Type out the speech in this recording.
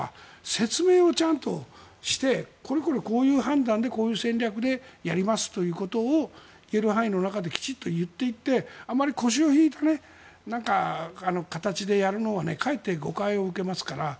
説明をちゃんとしてこれこれこういう判断でこういう戦略でやりますということを言える範囲の中できちんと言っていってあまり腰を引いた形でやるのはかえって誤解を受けますから。